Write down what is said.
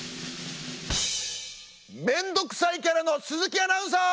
めんどくさいキャラの鈴木アナウンサー！